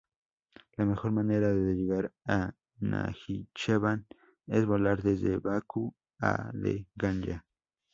La mejor manera de llegar a Najicheván es volar desde Bakú o de Ganyá.